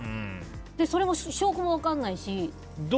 その証拠も分からないし。